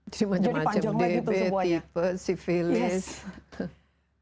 jadi panjang panjang lagi itu semuanya